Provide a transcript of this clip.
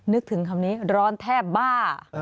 นึกถึงคำนี้ร้อนแทบบ้า